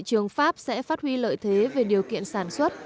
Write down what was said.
các thị trường pháp sẽ phát huy lợi thế về điều kiện sản xuất